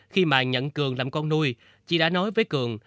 khi mà nhận cường làm con nuôi chị đã nói với cường